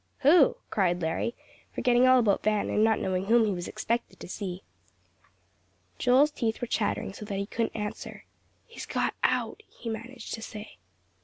"Who?" cried Larry, forgetting all about Van, and not knowing whom he was expected to see. Joel's teeth were chattering so that he couldn't answer. "He's got out," he managed to say.